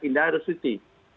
indah harus suci